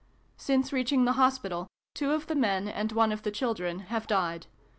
Since reaching the hospital, two of the men and one of the children have died.